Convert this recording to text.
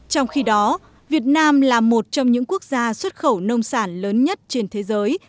trong khi đó việt nam là một trong những quốc gia xuất khẩu nông sản lớn nhất trên thế giới